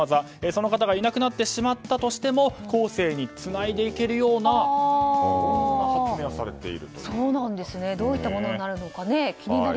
その方がいなくなってしまったとしても後世につないでいけるようなどういったものになるのか